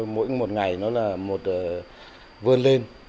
mỗi một ngày nó là một vươn lên